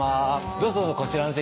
どうぞどうぞこちらの席。